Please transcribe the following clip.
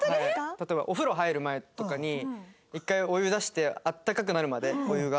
例えばお風呂入る前とかに１回お湯出して温かくなるまでお湯が。